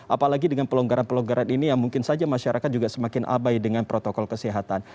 apalagi dengan pelonggaran pelonggaran ini yang mungkin saja masyarakat juga semakin abai dengan protokol kesehatan